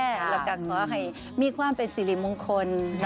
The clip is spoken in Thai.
แล้วก็ขอให้มีความเป็นสิริมงคล